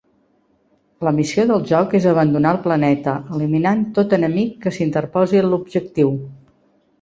La missió del joc és abandonar el planeta, eliminant tot enemic que s'interposi en l'objectiu.